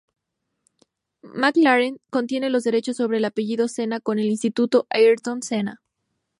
McLaren contiene los derechos sobre el apellido Senna con el Instituto Ayrton Senna.